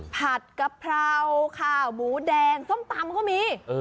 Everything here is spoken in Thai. ผัดกะเพราข้าวหมูแดงส้มตำก็มี